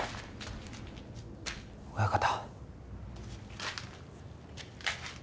親方。